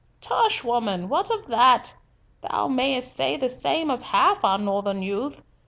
"Tush, woman, what of that? Thou mayst say the same of half our Northern youth!